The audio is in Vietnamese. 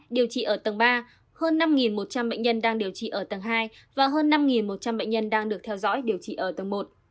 điều trị ở tầng ba hơn năm một trăm linh bệnh nhân đang điều trị ở tầng hai và hơn năm một trăm linh bệnh nhân đang được theo dõi điều trị ở tầng một